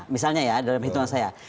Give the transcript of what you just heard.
misalnya ya dalam hitungan saya